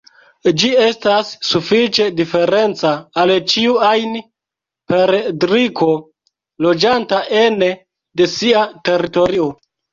Ĝi estas sufiĉe diferenca al ĉiu ajn perdriko loĝanta ene de sia teritorio.